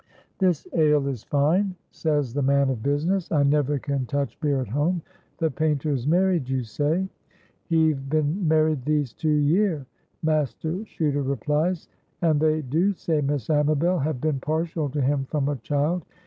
"This ale is fine," says the man of business. "I never can touch beer at home. The painter is married, you say?" "He've been married these two year," Master Chuter replies. "And they do say Miss Amabel have been partial to him from a child.